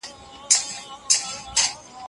زه اوسمهال خپلي تجربې له ملګرو سره شریکوم.